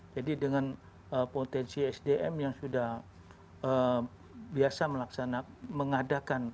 jadi dengan potensi sdm yang sudah biasa melaksanakan mengadakan